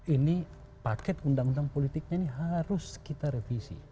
ini paket undang undang politiknya ini harus kita revisi